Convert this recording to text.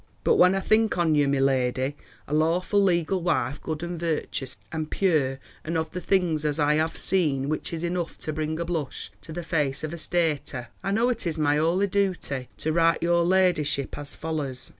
But when i think on you my ladi a lorful legel wife gud and virtus and peur and of the things as i hev seen which is enuf to bring a blush to the face of a stater, I knows it is my holy dooty to rite your ladishipp as follers.